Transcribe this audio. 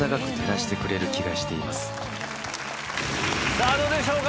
さあどうでしょうか？